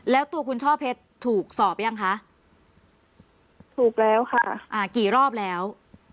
แล้วตัวคุณช่อเพชรถูกสอบยังคะถูกแล้วค่ะอ่ากี่รอบแล้ว